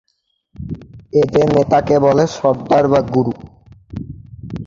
এঁদের নেতাকে বলে "সরদার" বা "গুরু"।